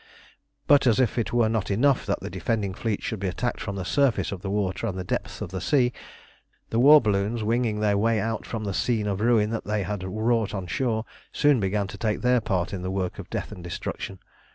But as if it were not enough that the defending fleet should be attacked from the surface of the water and the depths of the sea, the war balloons, winging their way out from the scene of ruin that they had wrought on shore, soon began to take their part in the work of death and destruction.